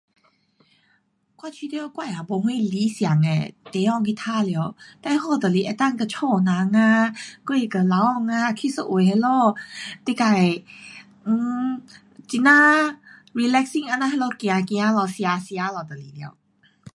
我觉得我也没什么理想的地方去玩耍。最好就是能够跟家人啊，还是跟老公啊，去一位那里你自，呃，很呀 relaxing 这样那里走走咯，吃吃咯就是了。